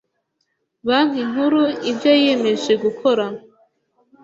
Banki Nkuru ibyo yiyemeje gukora